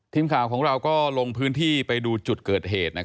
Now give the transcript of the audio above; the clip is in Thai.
ทีมข่าวของเราก็ลงพื้นที่ไปดูจุดเกิดเหตุ